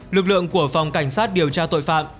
lực lượng của phòng cảnh sát điều tra tội phạm